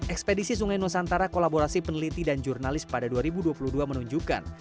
ekspedisi sungai nusantara kolaborasi peneliti dan jurnalis pada dua ribu dua puluh dua menunjukkan